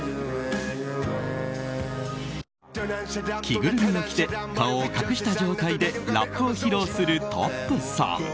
着ぐるみを着て顔を隠した状態でラップを披露するＴ．Ｏ．Ｐさん。